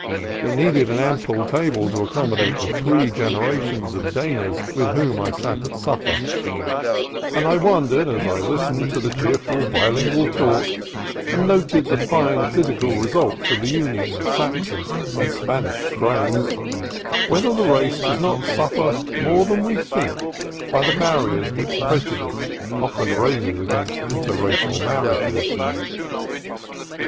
It needed an ample table to accommodate the three generations of Danas with whom I sat at supper; and I wondered, as I listened to the cheerful bi lingual talk, and noted the fine physical results of the union of the Saxon and Spanish strains, whether the race does not suffer more than we think by the barriers which prejudice often raises against inter racial marriages.